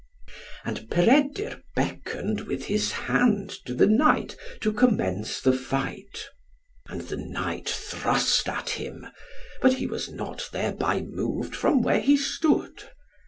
And Peredur beckoned with his hand to the knight to commence the fight. And the knight thrust at him, but he was not thereby moved from where he stood.